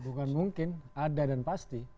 bukan mungkin ada dan pasti